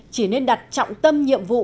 chỉ nên đặt trọng tâm nhiệm vụ